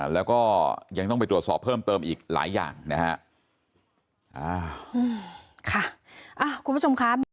แล้วก็ยังต้องไปตรวจสอบเพิ่มเติมอีกหลายอย่างนะฮะ